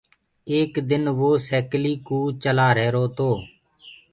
ايڪ دن وو سيڪلي ڪوُ چلآ رهيرو تو۔